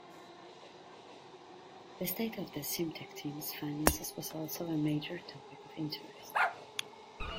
The state of the Simtek team's finances was also a major topic of interest.